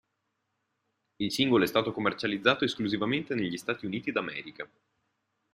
Il singolo è stato commercializzato esclusivamente negli Stati Uniti d'America.